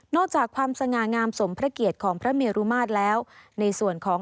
นอกจากความสง่างามสมพระเกียจของพระเมียรุมาตรแล้ว